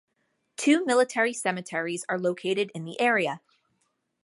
Two military cemeteries are located in the area.